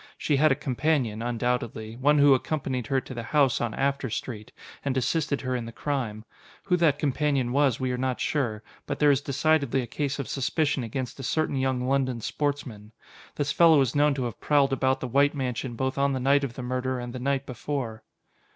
She had a companion, undoubtedly, one who accompanied her to the house on After Street, and assisted her in the crime. Who that companion was, we are not sure; but there is decidedly a case of suspicion against a certain young London sportsman. This fellow is known to have prowled about the White mansion both on the night of the murder and the night before."